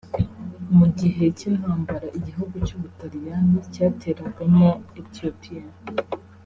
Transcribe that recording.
Mu gihe cy’intambara igihugu cy’ubutaliyani cyateragamo Ethiopia